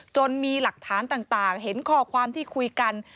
มีหลักฐานต่างเห็นข้อความที่คุยกัน